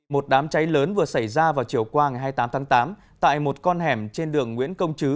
một đám cháy lớn vừa xảy ra vào chiều qua ngày hai mươi tám tháng tám tại một con hẻm trên đường nguyễn công chứ